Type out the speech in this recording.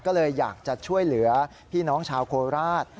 ก็เลยอยากจะช่วยเหลือพี่น้องชาวโคราช